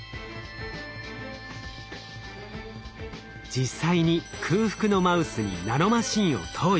実際に空腹のマウスにナノマシンを投与。